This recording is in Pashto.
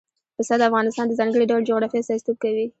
پسه د افغانستان د ځانګړي ډول جغرافیه استازیتوب کوي.